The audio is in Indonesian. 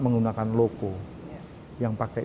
menggunakan loco yang pakai